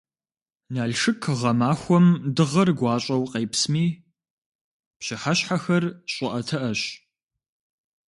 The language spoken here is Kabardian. Налшык гъэмахуэм дыгъэр гуащӏэу къепсми, пщыхьэщхьэхэр щӏыӏэтыӏэщ.